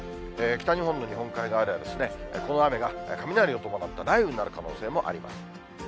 北日本の日本海側では、この雨が雷を伴った雷雨になる可能性もあります。